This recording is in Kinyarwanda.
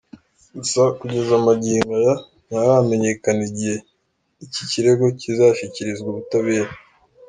Gusa kugeza magingo aya ntiharamenyekana, igihe iki kirego kizashyikirizwa ubutabera.